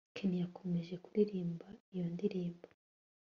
ken yakomeje kuririmba iyo ndirimbo